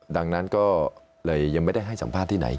ดังนั้นก็เลยยังไม่ได้ให้สัมภาษณ์ที่ไหน